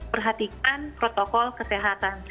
perhatikan protokol kesehatan